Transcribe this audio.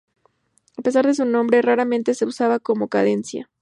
A pesar de su nombre, raramente es usada como cadencia.